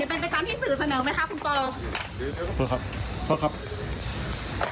เครียดไปคะโดยส่วนตัวคุณปอล์เครียดไปคะ